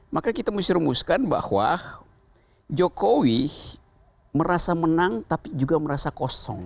maka kita mesti rumuskan bahwa jokowi merasa menang tapi juga merasa kosong